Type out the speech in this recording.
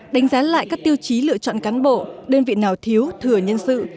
đánh giá lại các tiêu chí lựa chọn cán bộ đơn vị nào thiếu thừa nhân sự